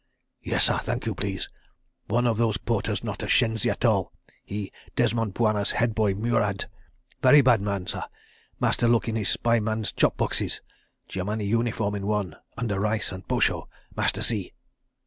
"Yessah, thank you please. One of those porters not a shenzi at all. He Desmont Bwana's head boy Murad. Very bad man, sah. Master look in this spy man's chop boxes. Germani uniform in one—under rice and posho. Master see.